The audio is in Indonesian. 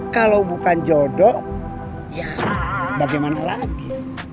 kalau bukan jodoh ya bagaimana lagi